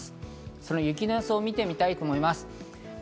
その雪の予想を見てみたいと思います。